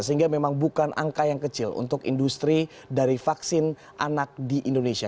sehingga memang bukan angka yang kecil untuk industri dari vaksin anak di indonesia